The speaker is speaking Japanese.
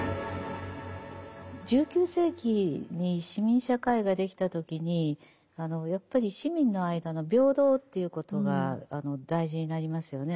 １９世紀に市民社会ができた時にやっぱり市民の間の平等ということが大事になりますよね。